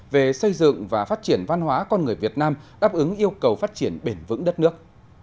về xây dựng và phát triển văn hóa con người việt nam đáp ứng yêu cầu phát triển bền vững đất nước